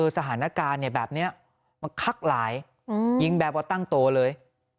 สถานการณ์แบบนี้มันคักหลายยิงแบบว่าตั้งตัวเลย